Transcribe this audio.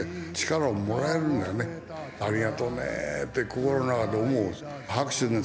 ありがとうねって心の中で思うんですよ。